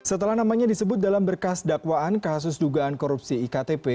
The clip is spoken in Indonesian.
setelah namanya disebut dalam berkas dakwaan kasus dugaan korupsi iktp